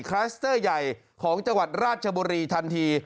คลัสเตอร์ใหญ่ของจังหวัดราชบุรีทันที